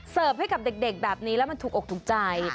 ให้กับเด็กแบบนี้แล้วมันถูกอกถูกใจ